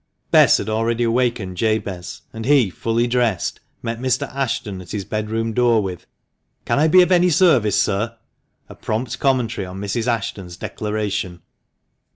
Bess had already awakened Jabez, and he, fully dressed, met Mr. Ashton at his bedroom door with " Can I be of any service, sir?" A prompt commentary on Mrs. Ashton's declaration.